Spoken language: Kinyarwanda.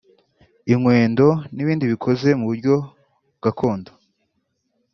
inkwendo n’ibindi bikoze mu buryo gakondo